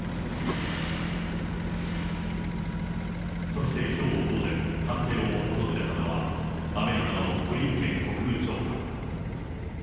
そしてきょう午前、官邸を訪れたのは、アメリカのブリンケン国務長官。